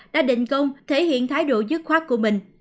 đã định công thể hiện thái độ dứt khoát của mình